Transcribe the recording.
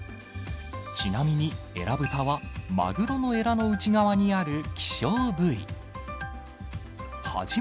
ちなみに、エラブタはマグロのえらの内側にある希少部位。